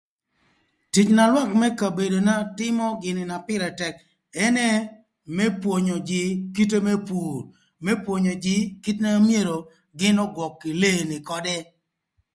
Tic na lwak më kabedona tïmö gïnï na pïrë tëk ënë më pwonyo jïï kite më pur, më pwonyo jïï kite amyero gïn ögwök kï leeni ködë.